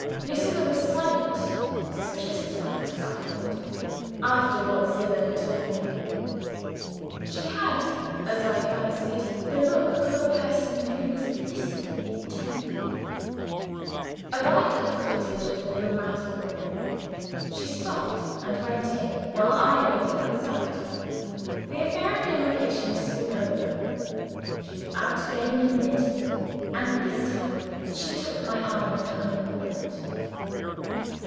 Lucilla was silent suspiciously silent as I thought, after what Zillah had told me. She had, as I fancied, the look of a person who was listening intently. Arrived at the cottage of the rheumatic woman, she stopped and went in, while I waited outside. The affair of the embrocation was soon over. She was out again in a minute and this time, she took my arm of her own accord.